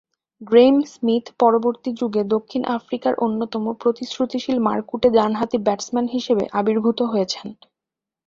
Graeme Smith পরবর্তী যুগে দক্ষিণ আফ্রিকার অন্যতম প্রতিশ্রুতিশীল মারকুটে ডানহাতি ব্যাটসম্যান হিসেবে আবির্ভূত হয়েছেন।